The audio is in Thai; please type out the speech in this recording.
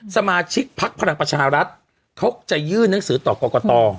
สมาชิกพักพลังประชารัฐเขาจะยื่นหนังสือต่อกรกต